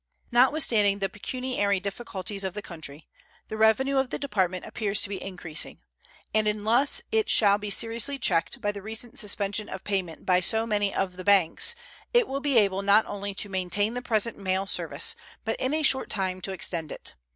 Notwithstanding the pecuniary difficulties of the country, the revenue of the Department appears to be increasing, and unless it shall be seriously checked by the recent suspension of payment by so many of the banks it will be able not only to maintain the present mail service, but in a short time to extend it.